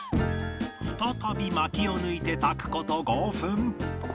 再び薪を抜いて炊く事５分